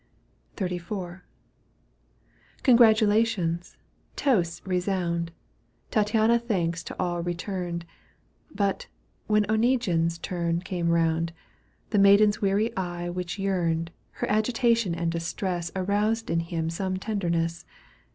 XXXIV. Congratulations, toasts resound, Tattiana thanks to аД returned, But, when Oneguine's turn came round. The maiden's weary eye which yearned. Her agitation and distress Aroused in him some tenderness.